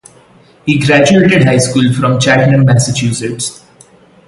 He graduated high school from Chatham, Massachusetts.